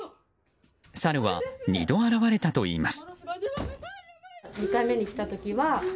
サルは２度現れたといいます。